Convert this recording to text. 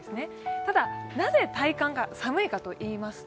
ただ、なぜ体感が寒いかといいますと